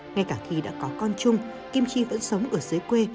ngay cả khi đã có con chung kim chi vẫn sống ở dưới quê